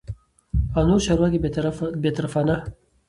او نور چارواکي بې طرفانه